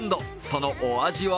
そのお味は？